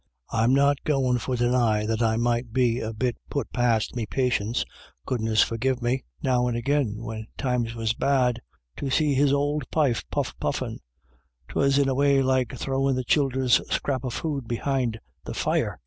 I'm not goin' for to deny but that I might be a bit put past me patience — goodness forgive me — now and agin, when times was bad, to see his ould pipe puff puffin. 'Twas in a way like throwin' the childer's scrap of food behind the fire."